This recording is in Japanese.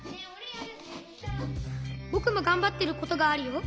ぼくもがんばってることがあるよ。